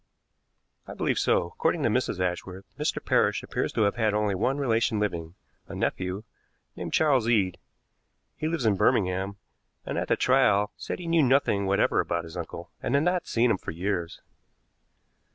"I believe so. According to Mrs. Ashworth, Mr. Parrish appears to have had only one relation living a nephew, named Charles Eade. He lives in Birmingham, and at the trial said he knew nothing whatever about his uncle, and had not seen him for years."